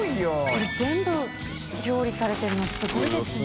これ全部料理されてるの垢瓦い任垢諭